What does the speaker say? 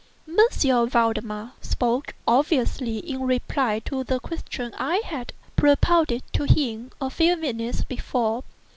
M. Valdemar spoke—obviously in reply to the question I had propounded to him a few minutes before.